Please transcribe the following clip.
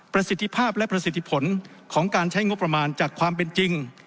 ประสิทธิภาพและประสิทธิผลของการใช้งบประมาณจากความเป็นจริง